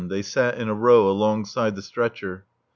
They sat in a row alongside the stretcher.